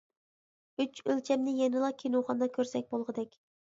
ئۈچ ئۆلچەمنى يەنىلا كىنوخانىدا كۆرسەك بولغۇدەك.